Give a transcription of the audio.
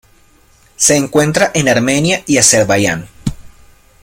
Se encuentra en Armenia y Azerbaiyán.